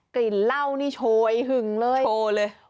กลิ่นเหล้านี่โชยหึงเลยโชยเลย